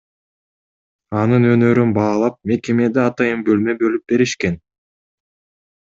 Анын өнөрүн баалап мекемеде атайын бөлмө бөлүп беришкен.